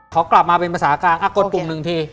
เขากลับมาเป็นภาษากลางกดปุ่มหนึ่งที